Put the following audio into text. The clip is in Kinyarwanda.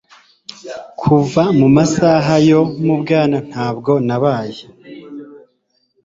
Kuva mu masaha yo mu bwana ntabwo nabaye